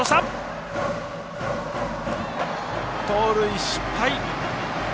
盗塁失敗。